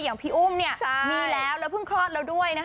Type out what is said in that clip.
อย่างพี่อุ้มเนี่ยมีแล้วแล้วเพิ่งคลอดแล้วด้วยนะคะ